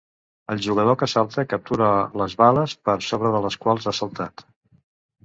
El jugador que salta captura les bales per sobre de les quals ha saltat.